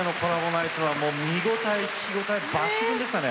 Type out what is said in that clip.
ナイトはもう見応え聴き応え抜群でしたね。